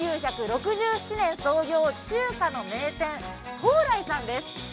１９６７年創業中華の名店、蓬莱さんです。